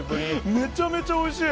めちゃめちゃおいしい！